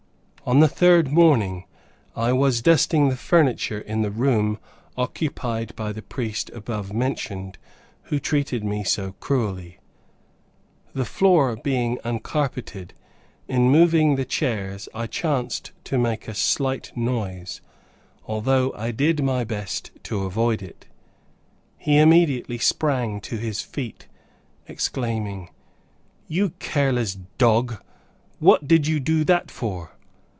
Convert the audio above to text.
On the third morning, I was dusting the furniture in the room occupied by the priest above mentioned, who treated me so cruelly. The floor being uncarpeted, in moving the chairs I chanced to make a slight noise, although I did my best to avoid it. He immediately sprang to his feet, exclaiming, "You careless dog! What did you do that for?"